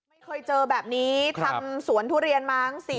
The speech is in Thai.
ไม่เคยเจอแบบนี้ทำสวนทุเรียนมั้ง